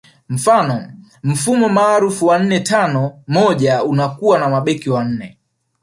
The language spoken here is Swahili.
Mfano mfumo maarufu wa nne tano moja unakuwa na mabeki wanne